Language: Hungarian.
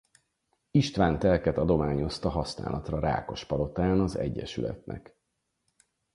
Istvántelket adományozta használatra Rákospalotán az egyesületnek.